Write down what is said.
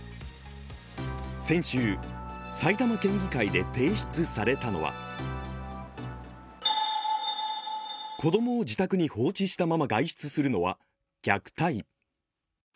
先週、埼玉県議会で提出されたのは子供を自宅に放置したまま外出するのは虐待。